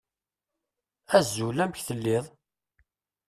Azul. Amek telliḍ?